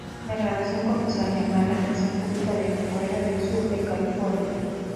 La grabación comenzó a llamar la atención pública de fuera del sur de California.